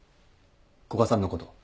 古賀さんのこと。